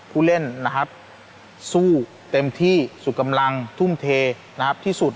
ผู้เล่นสู้เต็มที่สุดกำลังทุ่มเทที่สุด